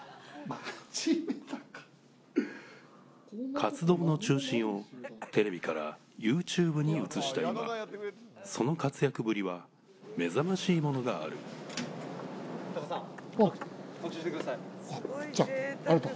活動の中心をテレビからＹｏｕＴｕｂｅにうつした今その活躍ぶりはめざましいものがあるありがとう。